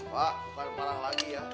pak bukan marah lagi ya